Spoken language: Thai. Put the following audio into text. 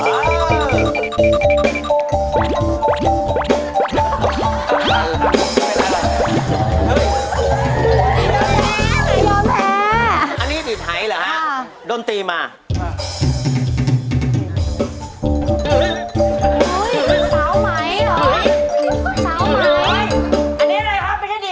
อันนี้อะไรครับไม่ใช่ดีดไหอย่ะ